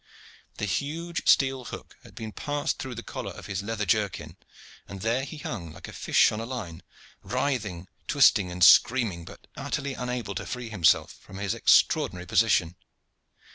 The huge steel hook had been passed through the collar of his leather jerkin, and there he hung like a fish on a line, writhing, twisting, and screaming, but utterly unable to free himself from his extraordinary position.